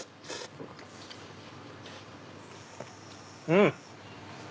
うん！